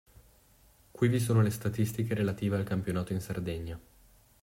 Qui vi sono le statistiche relative al campionato in Sardegna.